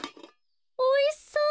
おいしそう。